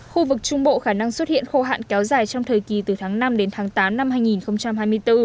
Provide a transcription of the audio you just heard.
khu vực trung bộ khả năng xuất hiện khô hạn kéo dài trong thời kỳ từ tháng năm đến tháng tám năm hai nghìn hai mươi bốn